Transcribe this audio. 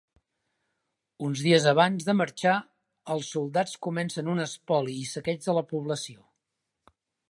Uns dies abans de marxar, els soldats comencen un espoli i saqueig de la població.